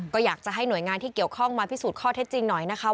ก็อยากจะให้หน่วยงานที่เกี่ยวข้องมาพิสูจน์ข้อเท็จจริงหน่อยนะคะ